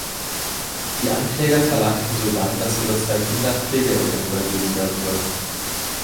Die Ankläger verlangten sodann, dass ihre zwei Kinder Pflegeeltern übergeben werden sollten.